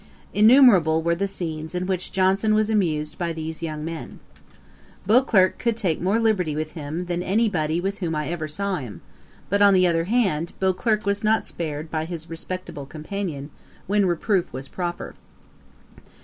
Innumerable were the scenes in which Johnson was amused by these young men. Beauclerk could take more liberty with him, than any body with whom I ever saw him; but, on the other hand, Beauclerk was not spared by his respectable companion, when reproof was proper.